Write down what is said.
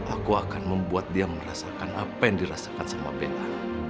aku akan membuat dia merasakan apa yang dirasakan sama beta